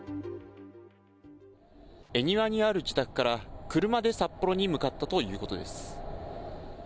恵庭にある自宅から車で札幌に向かったということです。